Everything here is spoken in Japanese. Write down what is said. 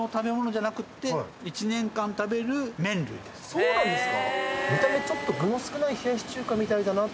そうなんですか？